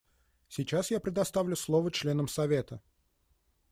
Сейчас я предоставлю слово членам Совета.